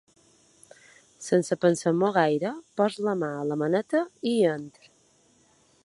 Sense pensar-m'ho gaire poso la mà a la maneta i hi entro.